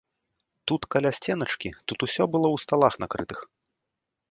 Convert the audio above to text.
Тут каля сценачкі, тут усё было ў сталах накрытых.